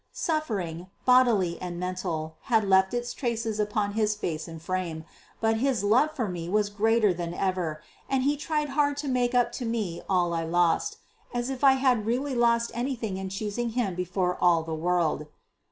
Suffering, bodily and mental, had left its traces upon his face and frame, but his love for me was greater than ever, and he tried hard to make up to me all I lost; as if I had really lost anything in choosing him before all the world.